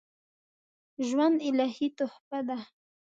ژوند الهي تحفه ده